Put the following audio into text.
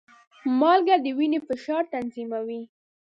مالګه د وینې فشار تنظیموي.